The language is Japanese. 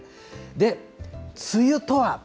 で、梅雨とは。